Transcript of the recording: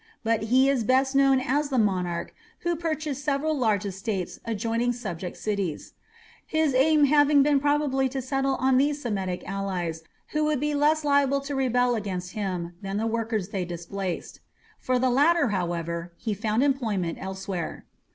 But he is best known as the monarch who purchased several large estates adjoining subject cities, his aim having been probably to settle on these Semitic allies who would be less liable to rebel against him than the workers they displaced. For the latter, however, he found employment elsewhere.